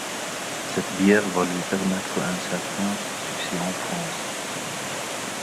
Cette bière va lui permettre un certain succès en France.